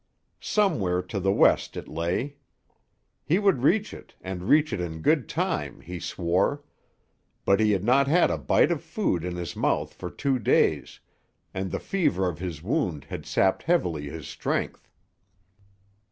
Somewhere to the west it lay. He would reach it and reach it in good time, he swore; but he had not had a bite of food in his mouth for two days, and the fever of his wound had sapped heavily his strength.